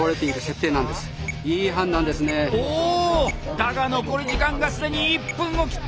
だが残り時間が既に１分を切った！